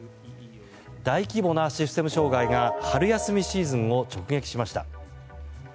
大規模なシステム障害が春休みシーズンを直撃しました。